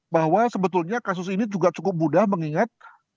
bahwa sebetulnya kasus ini juga cukup mudah mengingat